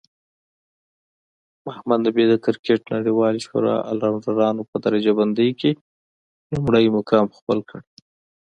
محمد نبي د کرکټ نړیوالی شورا الرونډرانو په درجه بندۍ کې لومړی مقام لري